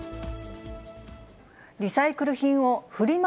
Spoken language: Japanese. リサイクル品をフリマ